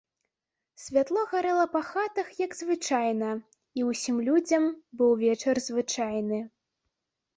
Святло гарэла па хатах, як звычайна, і ўсім людзям быў вечар звычайны.